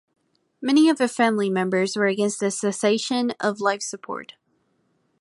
Many of her family members were against the cessation of life support.